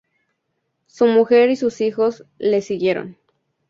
Su mujer y sus hijos le siguieron.